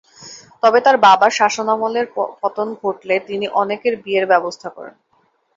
তবে তার বাবার শাসনামলের পতন ঘটলে তিনি অনেকের বিয়ের ব্যবস্থা করেন।